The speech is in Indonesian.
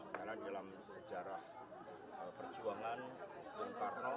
karena dalam sejarah perjuangan bung karno